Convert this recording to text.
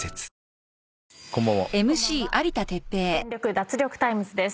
脱力タイムズ』です。